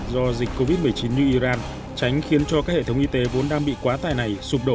do dịch covid một mươi chín như iran tránh khiến cho các hệ thống y tế vốn đang bị quá tài này sụp đổ